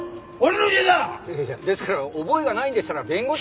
いやいやですから覚えがないんでしたら弁護士。